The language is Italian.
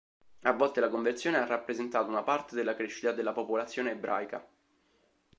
A volte la conversione ha rappresentato una parte della crescita della popolazione ebraica.